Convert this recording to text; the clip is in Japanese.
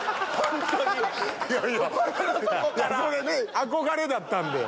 憧れだったんで！